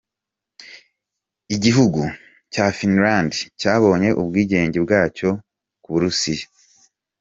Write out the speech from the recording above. Igihugu cya Finland cyabonye ubwigenge bwacyo ku burusiya.